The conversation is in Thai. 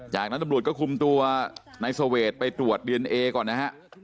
จากนั้นตำรวจก็คุมตัวนายเสวดไปตรวจดีเอนเอก่อนนะฮะ